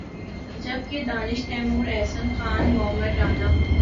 جب کہ دانش تیمور، احسن خان، معمر رانا